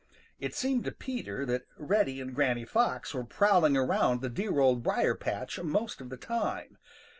It seemed to Peter that Reddy and Granny Fox were prowling around the dear Old Briar patch most of the time.